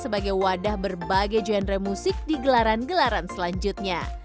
sebagai wadah berbagai genre musik di gelaran gelaran selanjutnya